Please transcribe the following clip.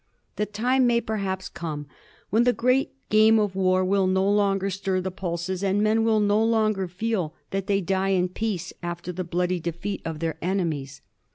The time may, perhaps, come when the great game of war will no longer stir the pulses, and men will no longer feel that they die in peace after the bloody defeat of their enemies.